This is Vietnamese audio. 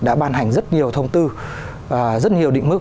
đã ban hành rất nhiều thông tư rất nhiều định mức